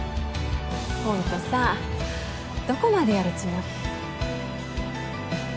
ほんとさどこまでやるつもり？